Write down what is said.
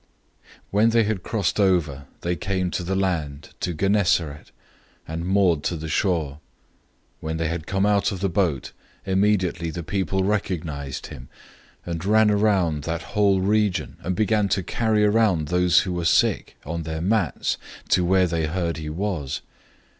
006:053 When they had crossed over, they came to land at Gennesaret, and moored to the shore. 006:054 When they had come out of the boat, immediately the people recognized him, 006:055 and ran around that whole region, and began to bring those who were sick, on their mats, to where they heard he was.